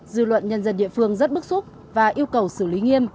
dư luận nhân dân địa phương rất bức xúc và yêu cầu xử lý nghiêm